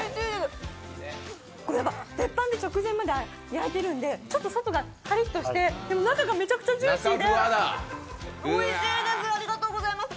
鉄板で直前まで焼いてるんで、ちょっと外がカリッとしてでも中がめちゃくちゃジューシーでおいしいですありがとうございます。